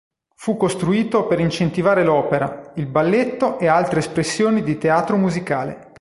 Fu costruito per incentivare l'opera, il balletto e altre espressioni di teatro musicale.